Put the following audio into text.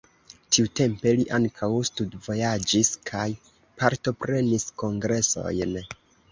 Tiutempe li ankaŭ studvojaĝis kaj partoprenis kongresojn.